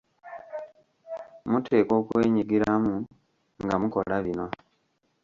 Muteekwa okwenyigiramu nga mukola bino.